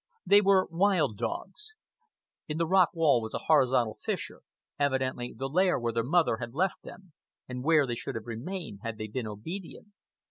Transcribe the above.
They were wild dogs. In the rock wall was a horizontal fissure—evidently the lair where their mother had left them, and where they should have remained had they been obedient.